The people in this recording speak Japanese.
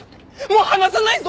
もう離さないぞ！